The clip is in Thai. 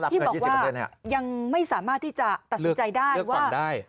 ที่บอกว่ายังไม่สามารถที่จะตัดสินใจได้ว่า